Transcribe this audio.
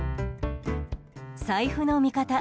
財布の味方